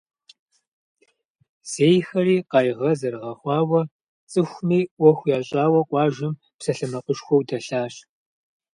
Зейхэри къайгъэ зэрыгъэхъуауэ, цӏыхуми ӏуэху ящӏауэ къуажэм псалъэмакъышхуэу дэлъащ.